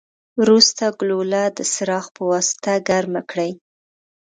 وروسته ګلوله د څراغ پواسطه ګرمه کړئ.